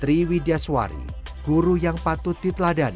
tri widiaswari guru yang patut diteladani